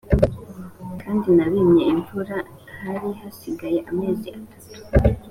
kandi nabimye imvura hari hasigaye amezi atatu